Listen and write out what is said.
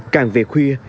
càng về khuya